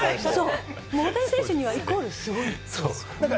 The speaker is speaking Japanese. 大谷選手にはイコールすごい！